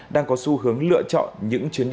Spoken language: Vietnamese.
đang có xu hướng lựa chọn những chuyến đấu